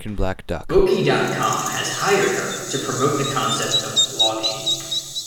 Bokee dot com has hired her to promote the concept of blogging.